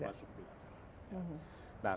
termasuk luar negeri